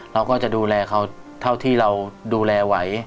เราก็จะดูแลเขาเท่าที่เราดูแลไหว